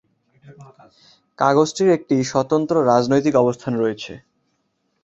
কাগজটির একটি স্বতন্ত্র রাজনৈতিক অবস্থান রয়েছে।